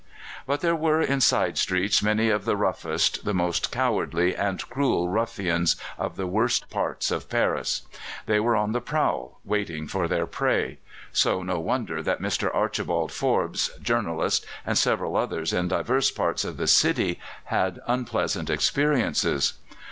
But there were in side streets many of the roughest, the most cowardly and cruel ruffians of the worst parts of Paris. They were on the prowl, waiting for their prey; so no wonder that Mr. Archibald Forbes, journalist, and several others in divers parts of the city had unpleasant experiences.